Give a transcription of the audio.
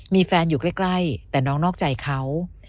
มีแฟนอยู่ใกล้แต่น้องนอกใจเขา